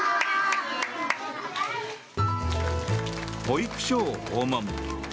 保育所を訪問。